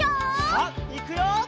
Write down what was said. さあいくよ！